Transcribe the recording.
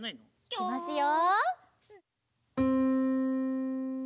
いきますよ！